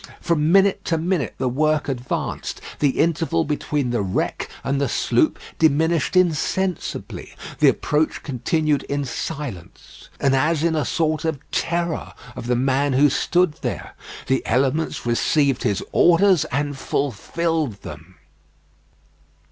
From minute to minute the work advanced; the interval between the wreck and the sloop diminished insensibly. The approach continued in silence, and as in a sort of terror of the man who stood there. The elements received his orders and fulfilled them.